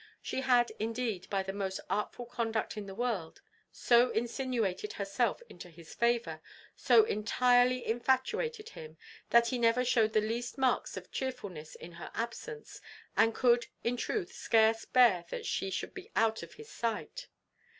She had, indeed, by the most artful conduct in the world, so insinuated herself into his favour, so entirely infatuated him, that he never shewed the least marks of chearfulness in her absence, and could, in truth, scarce bear that she should be out of his sight.